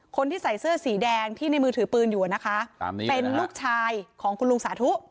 คนที่ใส่เสื้อสีแดงที่ในมือถือปืนอยู่นะคะเป็นลูกชายของคุณลุงสาธุ